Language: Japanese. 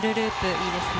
いいですね。